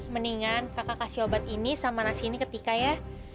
mendingan kakak kasih obat ini sama nasi ini ketika ya